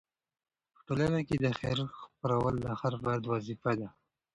په ټولنه کې د خیر خپرول د هر فرد وظیفه ده.